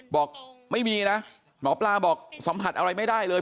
บอกไม่มีนะหมอปลาบอกสัมผัสอะไรไม่ได้เลย